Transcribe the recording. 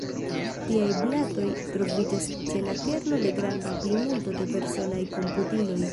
Tiaj blatoj troviĝas ĉe la kerno de granda plimulto de personaj komputiloj.